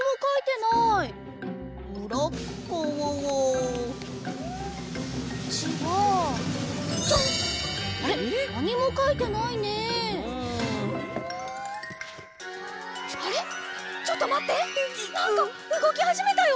なんかうごきはじめたよ！